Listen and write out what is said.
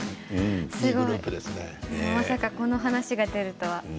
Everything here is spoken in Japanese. すごいまさかこの話が出るとは。